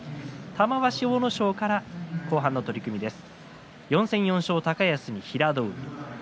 玉鷲、阿武咲から後半の取組です。